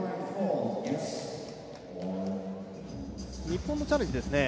日本のチャレンジですね。